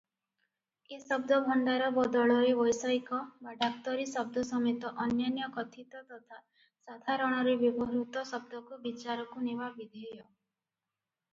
ଏ ଶବ୍ଦଭଣ୍ଡାର ବଦଳରେ ବୈଷୟିକ ବା ଡାକ୍ତରୀ ଶବ୍ଦ ସମେତ ଅନ୍ୟାନ୍ୟ କଥିତ ତଥା ସାଧାରଣରେ ବ୍ୟବହୃତ ଶବ୍ଦକୁ ବିଚାରକୁ ନେବା ବିଧେୟ ।